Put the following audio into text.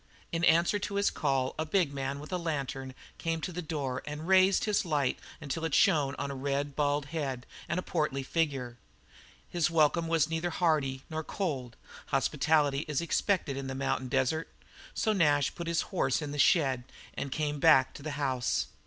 In answer to his call a big man with a lantern came to the door and raised his light until it shone on a red, bald head and a portly figure. His welcome was neither hearty nor cold; hospitality is expected in the mountain desert. So Nash put up his horse in the shed and came back to the house.